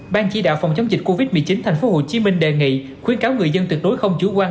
ban chỉ đạo phòng chống dịch covid một mươi chín tp hcm đề nghị khuyến cáo người dân tuyệt đối không chủ quan